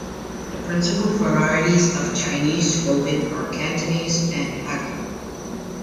The principal varieties of Chinese spoken are Cantonese and Hakka.